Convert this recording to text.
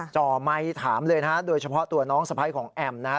จ่อไมค์ถามเลยนะฮะโดยเฉพาะตัวน้องสะพ้ายของแอมนะฮะ